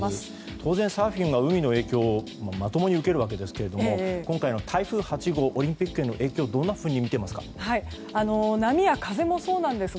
当然、サーフィンは海の影響をまともに受けるわけですが今回の台風８号オリンピックへの影響はどんなふうに見ていますか。